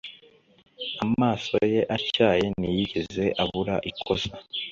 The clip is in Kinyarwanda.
Amaso ye atyaye ntiyigeze abura ikosa.